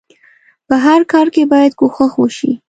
په هر کار کې بايد کوښښ وشئ.